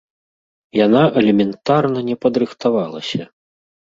Яна элементарна не падрыхтавалася.